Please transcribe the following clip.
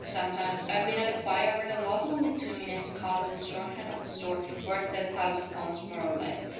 Sometimes I've bin at a fire where the loss of only two minutes caused the destruction of a store worth ten thousand pound, more or less.